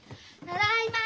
ただいま！